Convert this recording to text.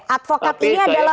advokat ini adalah